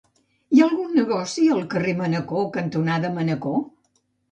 Hi ha algun negoci al carrer Manacor cantonada Manacor?